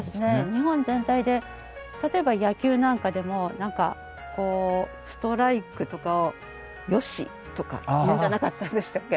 日本全体で例えば野球なんかでも何かこうストライクとかを「よし」とか言うんじゃなかったんでしたっけ？